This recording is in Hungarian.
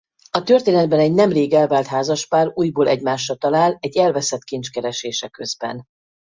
A történetben egy nemrég elvált házaspár újból egymásra talál egy elveszett kincs keresése közben.